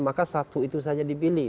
maka satu itu saja dipilih